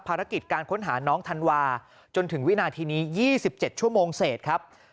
ภารกิจการค้นหาน้องธันวาจนถึงวินาทีนี้๒๗ชั่วโมงเศษครับ